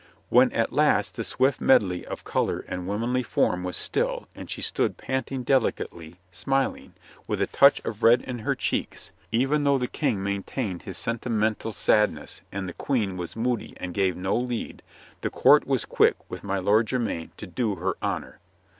When at last the swift medley of color and womanly form was still, and she stood panting delicately, smiling, with a touch of red in her cheeks, even "WHY COME YE NOT TO COURT?" 135 though the King maintained his sentimental sad ness and the Queen was moody and gave no lead, the court was quick with my Lord Jermyn to do her honor.